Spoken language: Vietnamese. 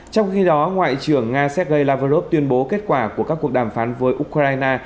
trong khi đó ngoại trưởng nga sergei lavrov tuyên bố kết quả của các cuộc đàm phán với ukraine